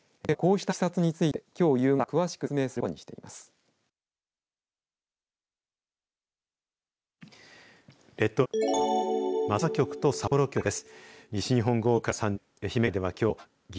県は、こうしたいきさつについてきょう夕方詳しく説明することにしています。